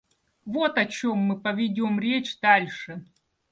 Вот о чем мы поведем речь дальше.